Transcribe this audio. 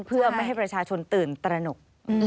เพื่อไม่ให้ประชาชนตื่นตระหนก